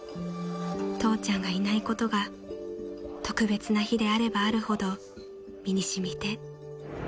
［父ちゃんがいないことが特別な日であればあるほど身に染みて］